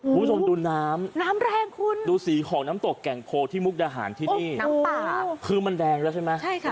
คุณผู้ชมดูน้ำน้ำแรงคุณดูสีของน้ำตกแก่งโพที่มุกดาหารที่นี่น้ำเปล่าคือมันแดงแล้วใช่ไหมใช่ค่ะ